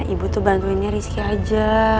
ibu tuh bantuinnya rizky aja